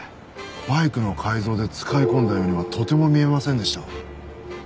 バイクの改造で使い込んだようにはとても見えませんでした。